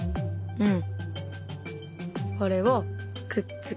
うん。